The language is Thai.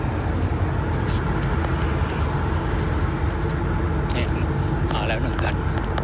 เนี่ยมาแล้วหนึ่งกัน